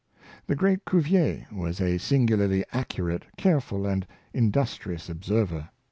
'"' The great Cuvier w^as a singularly accurate, careful, and industrious observer.